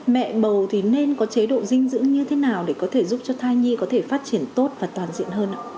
mẹ bầu nên có chế độ dinh dưỡng như thế nào để có thể giúp cho thai nghi có thể phát triển tốt và toàn diện hơn